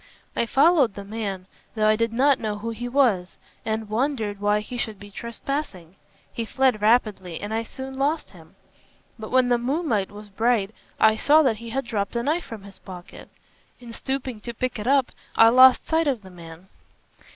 "I followed the man, though I did not know who he was, and wondered why he should be trespassing. He fled rapidly and I soon lost him. But when the moonlight was bright I saw that he had dropped a knife from his pocket. In stooping to pick it up I lost sight of the man."